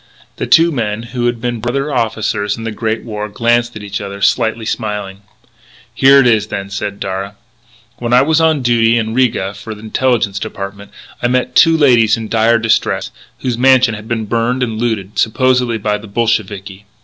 The two men, who had been brother officers in the Great War, glanced at each other, slightly smiling. "Here it is then," said Darragh. "When I was on duty in Riga for the Intelligence Department, I met two ladies in dire distress, whose mansion had been burned and looted, supposedly by the Bolsheviki.